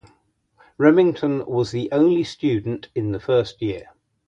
Remington was the only student in the first year.